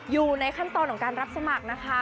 อยู่ในขั้นตอนของการรับสมัครนะคะ